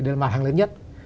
đó là mặt hàng lớn nhất